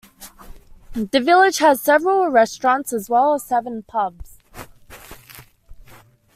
The village has several restaurants as well as seven pubs.